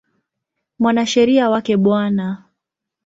Mwanasheria wake Bw.